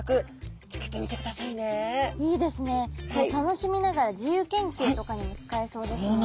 楽しみながら自由研究とかにも使えそうですもんね。